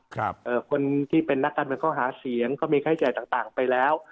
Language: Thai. คนที่เป็นนักการเป็นข้อหาเสียงก็มีไข้ใจต่างไปแล้ว